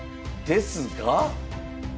ですが？